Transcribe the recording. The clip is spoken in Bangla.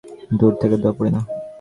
দূর থেকে দোয়া পড়ি না।